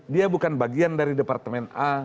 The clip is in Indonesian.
dia bukan bagian dari departemen a